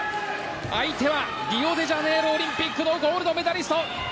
相手はリオデジャネイロオリンピックのゴールドメダリスト。